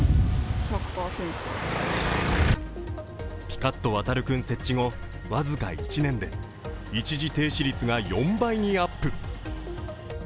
ぴかっとわたるくん設置後僅か１年で一時停止率が４倍にアップ。